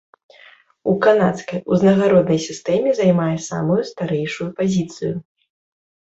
У канадскай узнагароднай сістэме займае самую старэйшую пазіцыю.